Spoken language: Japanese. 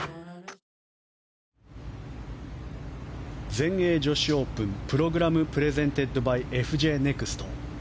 全英女子オープンＰｒｏｇｒａｍｐｒｅｓｅｎｔｅｄｂｙＦＪネクスト。